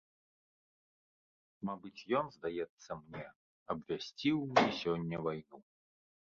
Мабыць, ён, здаецца мне, абвясціў мне сёння вайну.